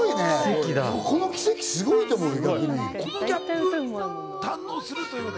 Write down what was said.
この奇跡、逆にすごいと思うよ。